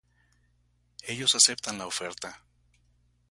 Ellos aceptan la oferta.